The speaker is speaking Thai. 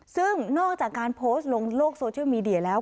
ซึ่งนอกจากการโพสต์ลงโลกโซเชียลมีเดียแล้ว